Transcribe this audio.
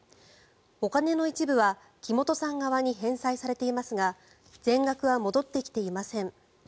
お金の一部は木本さん側に返済されていますが全額は戻ってきてはいません。